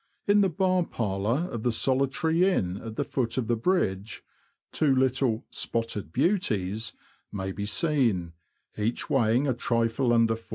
In the bar parlour of the solitary inn at the foot of the bridge, two little "spotted beauties" may be seen, each weighing a trifle under 4lb.